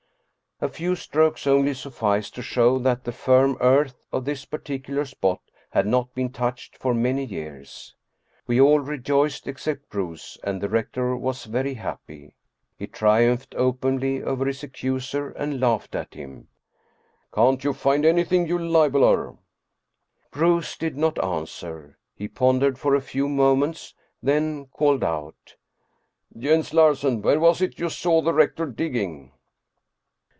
A few strokes only sufficed to show that the firm earth of this particular spot had not been touched for many years. We all rejoiced except Bruus and the rector was very happy. He triumphed openly over his accuser, and laughed at him, " Can't you find anything, you libeler? " Bruus did not answer. He pondered for a few moments, then called out, "Jens Larsen, where was it you saw the rector digging?"